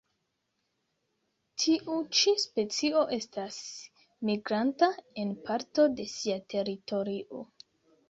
Tiu ĉi specio estas migranta en parto de sia teritorio.